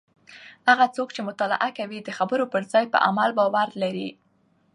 هغه څوک چې مطالعه کوي د خبرو پر ځای په عمل باور لري.